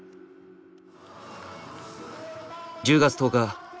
１０月１０日。